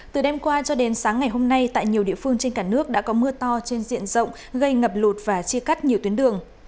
từ đêm qua cho đến sáng ngày hôm nay tại nhiều địa phương trên cả nước đã có mưa to trên diện rộng gây ngập lụt và chia cắt nhiều tuyến đường